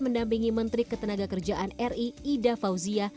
mendampingi menteri ketenaga kerjaan ri ida fauzia